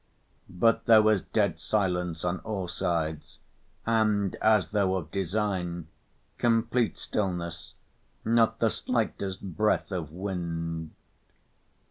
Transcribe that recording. But there was dead silence on all sides and, as though of design, complete stillness, not the slightest breath of wind.